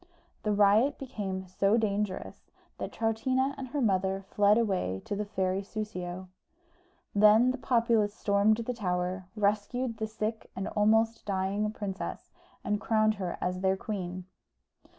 The riot became so dangerous that Troutina and her mother fled away to the fairy Soussio. Then the populace stormed the tower, rescued the sick and almost dying princess, and crowned her as their queen.